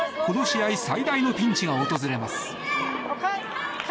この試合最大のピンチが訪れます。